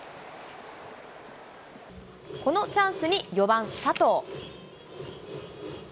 このチャンスに４番佐藤。